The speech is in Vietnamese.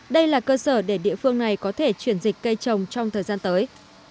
đây là cơ sở để địa phương này có thể chuyển dịch cây trồng trong thời gian tới